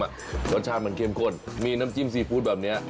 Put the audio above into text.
รสชาติมันเข้มข้นมีน้ำจิ้มซีฟู้ดแบบนี้